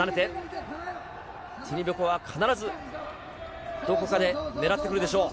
ティニベコワは必ずどこかで狙ってくるでしょう。